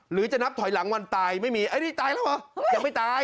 หรือจะนับถอยหลังวันตายไม่มีไอ้นี่ตายแล้วเหรอยังไม่ตาย